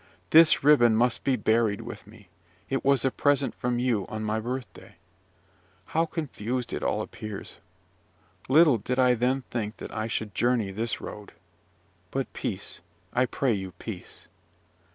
This ribbon must be buried with me: it was a present from you on my birthday. How confused it all appears! Little did I then think that I should journey this road. But peace! I pray you, peace!